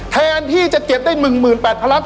แทนที่จะเก็บได้๑๐๘๐๐๐พลัง